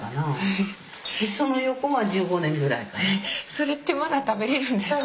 それってまだ食べれるんですか？